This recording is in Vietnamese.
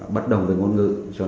bất đồng với ngôn ngữ